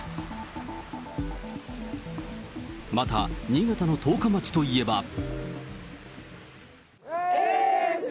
また新潟の十日町といえば。